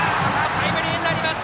タイムリーになりました。